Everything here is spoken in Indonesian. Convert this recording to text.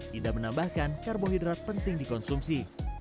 tidak menambahkan karbohidrat penting dikonsumsi